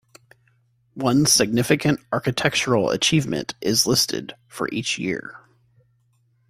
One significant architectural achievement is listed for each year.